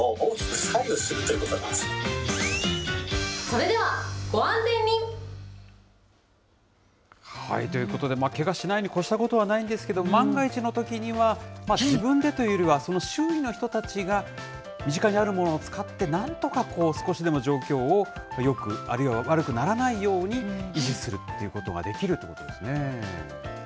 それでは、ご安全に。ということで、けがしないに越したことはないんですけど、万が一のときには、自分でというよりは、その周囲の人たちが身近にあるものを使って、なんとか少しでも状況をよく、あるいは悪くならないように、維持するということができるということですね。